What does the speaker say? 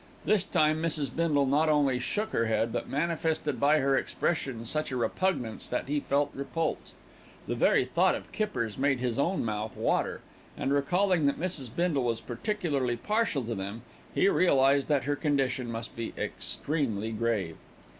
This time Mrs. Bindle not only shook her head, but manifested by her expression such a repugnance that he felt repulsed. The very thought of kippers made his own mouth water and, recalling that Mrs. Bindle was particularly partial to them, he realised that her condition must be extremely grave.